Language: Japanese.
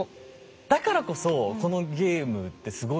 だからこそこのゲームってすごいですよね。